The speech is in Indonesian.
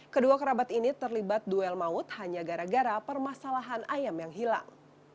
kedua kerabat ini terlibat duel maut hanya gara gara permasalahan ayam yang hilang